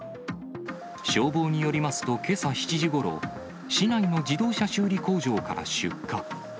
消防によりますと、けさ７時ごろ、市内の自動車修理工場から出火。